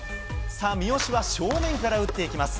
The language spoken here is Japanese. さあ、三好は正面から打っていきます。